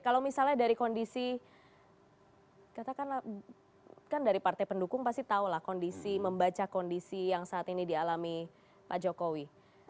kalau misalnya dari kondisi katakanlah kan dari partai pendukung pasti tahu lah kondisi membaca kondisi yang saat ini dialami pak jokowi